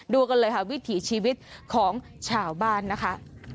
กันเลยค่ะวิถีชีวิตของชาวบ้านนะคะ